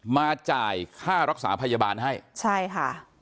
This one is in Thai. มาจ่ายค่ารักษาพยาบาลให้ใช่ค่ะ